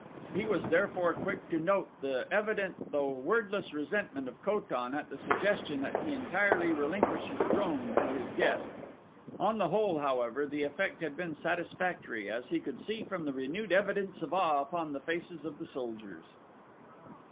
He was therefore quick to note the evident though wordless resentment of Ko tan at the suggestion that he entirely relinquish his throne to his guest. On the whole, however, the effect had been satisfactory as he could see from the renewed evidence of awe upon the faces of the warriors.